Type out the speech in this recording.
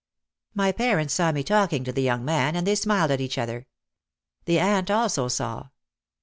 My parents saw me talking to the young man and they smiled at each other. The aunt also saw.